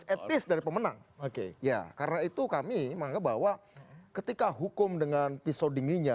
etis dari pemenang oke ya karena itu kami menganggap bahwa ketika hukum dengan pisau dinginnya